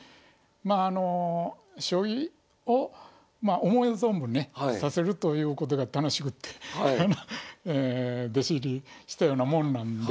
まああの将棋を思う存分ね指せるということが楽しくって弟子入りしたようなもんなんで。